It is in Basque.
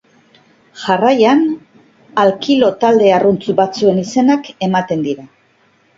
Jarraian alkilo talde arrunt batzuen izenak ematen dira.